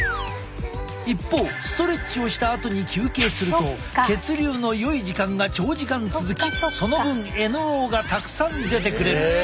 一方ストレッチをしたあとに休憩すると血流のよい時間が長時間続きその分ＮＯがたくさん出てくれる。